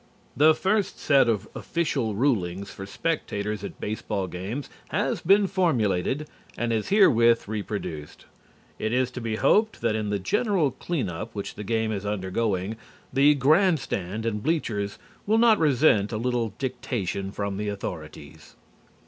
The first set of official rulings for spectators at baseball games has been formulated and is herewith reproduced. It is to be hoped that in the general cleanup which the game is undergoing, the grandstand and bleachers will not resent a little dictation from the authorities.